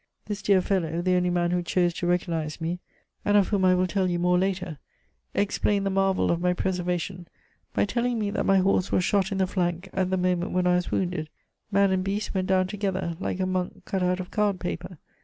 This dear fellow, the only man who chose to recognize me, and of whom I will tell you more later, explained the marvel of my preservation, by telling me that my horse was shot in the flank at the moment when I was wounded. Man and beast went down together, like a monk cut out of card paper.